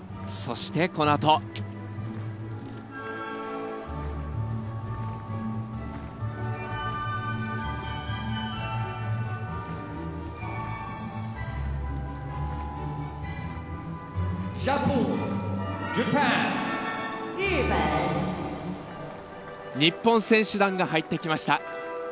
そして、このあと。日本選手団が入ってきました。